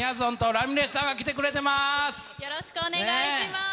ラミレスよろしくお願いします。